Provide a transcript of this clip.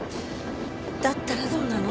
だったらどうなの？